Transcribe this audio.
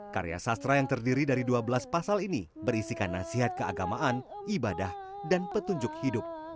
karya sastra yang terdiri dari dua belas pasal ini berisikan nasihat keagamaan ibadah dan petunjuk hidup